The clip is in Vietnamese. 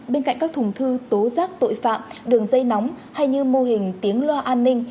bên cạnh các thùng thư tố giác tội phạm đường dây nóng hay như mô hình tiếng loa an ninh